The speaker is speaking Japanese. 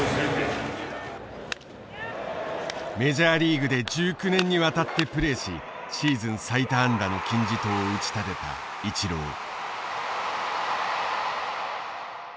メジャーリーグで１９年にわたってプレーしシーズン最多安打の金字塔を打ち立てたイチロー。